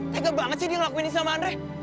tegak banget sih dia ngelakuin ini sama andrei